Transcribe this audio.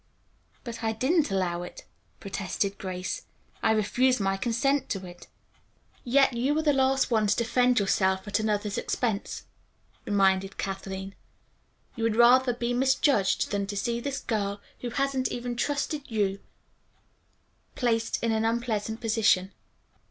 "But I didn't allow it," protested Grace. "I refused my consent to it." "Yet you are the last one to defend yourself at another's expense," reminded Kathleen. "You'd rather be misjudged than to see this girl, who hasn't even trusted you, placed in an unpleasant position."